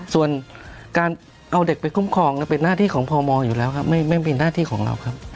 ส่วนการเอาเด็กไปคุ้มครองเป็นหน้าที่ของพมอยู่แล้วครับไม่มีหน้าที่ของเราครับ